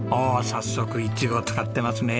早速イチゴ使ってますね。